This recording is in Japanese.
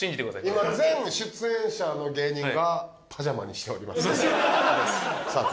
今全出演者の芸人がパジャマにしておりますさあ